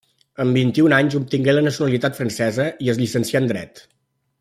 Amb vint-i-un anys obtingué la nacionalitat francesa i es llicencià en dret.